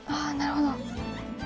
なるほど。